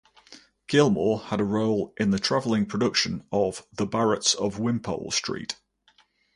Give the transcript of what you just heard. Gillmore had a role in the traveling production of "The Barretts of Wimpole Street".